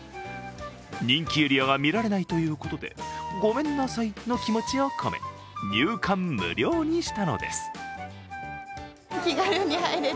人気エリアが見られないということで、ごめんなさいの気持ちを込め入館無料にしたのです。